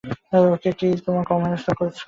ওকে কি তোমরা কম হেনস্তা করেছ।